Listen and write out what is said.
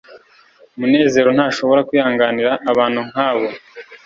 munezero ntashobora kwihanganira abantu nkabo